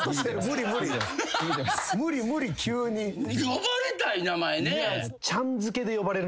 呼ばれたい名前ね。